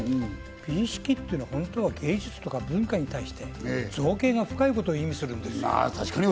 美意識っていうのはその人の芸術や文化に対して造詣が深いことを意味するんですよ。